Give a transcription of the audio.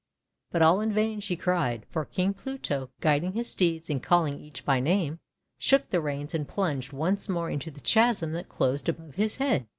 But all in vain she cried, for King Pluto, guiding his steeds and calling each by name, shook the reins and plunged once more into the chasm that closed above his head.